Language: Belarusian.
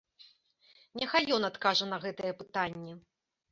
Няхай ён адкажа на гэтае пытанне.